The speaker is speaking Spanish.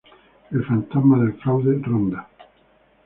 El fantasma del fraude ronda.